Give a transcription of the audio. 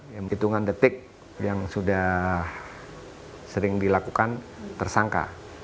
yang hitungan detik yang sudah sering dilakukan tersangka